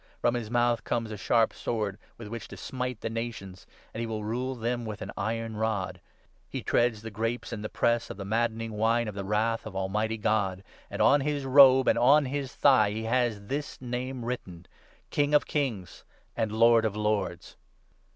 From his mouth comes a sharp sword, 15 with which ' to smite the nations ; and he will rule them with an iron rod.' He 'treads the grapes in the press' of the maddening wine of the Wrath of Almighty God ; and on his 16 robe and on his thigh he has this name written— ' KING OF KINGS AND LORD OF LORDS.'